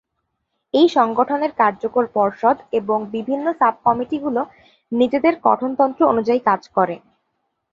এই সংগঠনের কার্যকর পর্ষদ এবং বিভিন্ন সাব-কমিটিগুলো নিজেদের গঠনতন্ত্র অনুযায়ী কাজ করে।